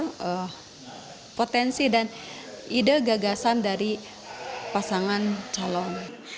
dan juga membuat kita lebih berpikir tentang potensi dan ide gagasan dari pasangan calon